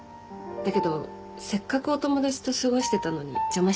だけどせっかくお友達と過ごしてたのに邪魔しちゃったね。